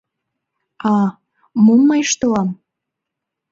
А, мом мый ыштылам?